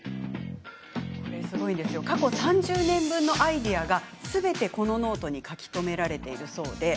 過去３０年分のアイデアがすべてこのノートに書き留められているそうです。